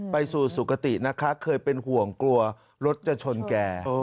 ไปสู่สุขตินะคะเคยเป็นห่วงกลัวรถจะชนแก